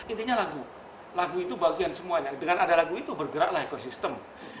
intinya lagu lagu itu bagian semuanya dengan ada lagu itu bergeraklah ekosistem